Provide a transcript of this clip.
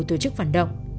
tổ chức phản động